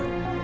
aku gak tahu